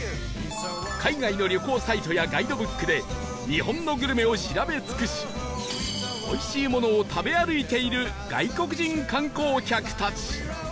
海外の旅行サイトやガイドブックで日本のグルメを調べ尽くしおいしいものを食べ歩いている外国人観光客たち